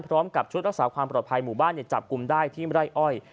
พร้อมกับชุดรักษาความปลอดภัยหมู่บ้านจับกลุ่มได้ที่ไร่อ้อย